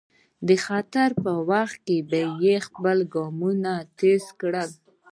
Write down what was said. د خطر په وخت کې به یې خپل ګامونه تېز کړل.